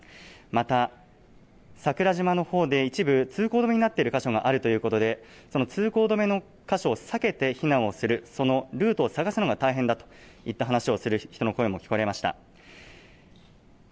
また、桜島のほうで一部、通行止めになっている箇所があるということでその通行止めの箇所を避けて避難をする、そのルートを探すのが大変だといった話をする人の声も聞かれました。